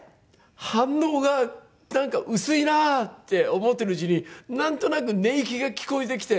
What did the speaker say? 反応がなんか薄いなって思ってるうちになんとなく寝息が聞こえてきて。